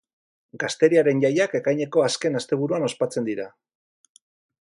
Gazteriaren jaiak, ekaineko azken asteburuan ospatzen dira.